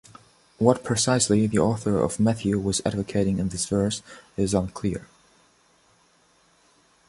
What precisely the author of Matthew was advocating in this verse is unclear.